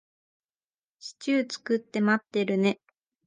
シチュー作って待ってるね。